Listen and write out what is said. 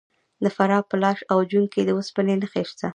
د فراه په لاش او جوین کې د وسپنې نښې شته.